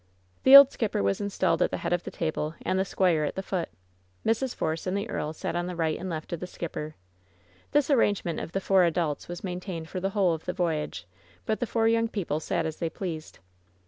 The old skipper was installed at tho. head of the table and the squire at the foot. Mrs. Force and the earl sat on the right and left of the skipper. This arrangement of the four elders was maintained for the whole of the voyage, but the four young people sat as they pleased.